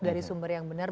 dari sumber yang benar